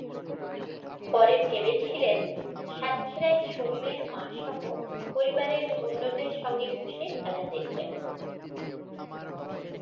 পরে ভেবেছিলেন, সাতক্ষীরায় সৌম্যের মাসহ পরিবারের অন্যদের সঙ্গে বসে খেলা দেখবেন।